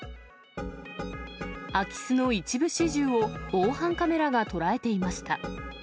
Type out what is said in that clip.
空き巣の一部始終を、防犯カメラが捉えていました。